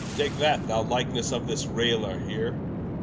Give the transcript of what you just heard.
Take that, the likenesse of this Rayler here.